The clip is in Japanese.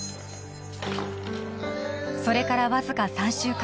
それからわずか３週間